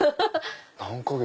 何か月？